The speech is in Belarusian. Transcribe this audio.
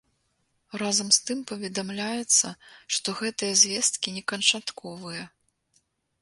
Разам з тым паведамляецца, што гэтыя звесткі не канчатковыя.